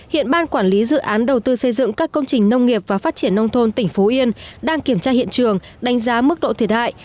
hiện ban quản lý dự án đầu tư xây dựng các công trình nông nghiệp và phát triển nông thôn tỉnh phú yên đang kiểm tra hiện trường đánh giá mức độ thiệt hại